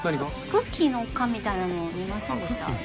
クッキーの缶みたいなの見ませんでした？